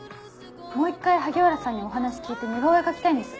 もう一回萩原さんにお話聞いて似顔絵描きたいんです。